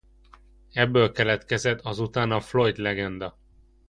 Ebből keletkezett azután a Floyd-legenda.